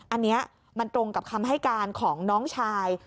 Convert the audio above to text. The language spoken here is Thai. อันนี้มันตรงกับคำให้การของน้องชาย